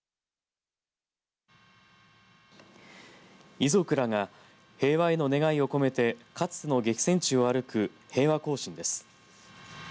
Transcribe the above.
遺族らが平和への願いを込めてかつての激戦地を歩く平和行進です。